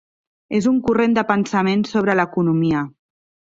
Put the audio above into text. És un corrent de pensament sobre l'economia.